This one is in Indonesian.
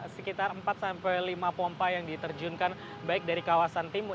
sekitar empat sampai lima pompa yang diterjunkan baik dari kawasan timur